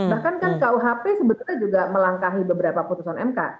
bahkan kan kuhp sebenarnya juga melangkahi beberapa putusan mk